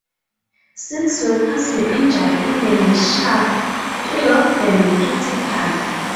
Six workers were injured in the mishap, three of them critically.